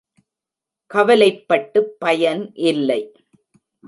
கவலைப்பட்டு பயன் இல்லை.